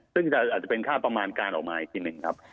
ซึ่งอาจจะเป็นค่าประมาณการออกมาอีกทีหนึ่งครับ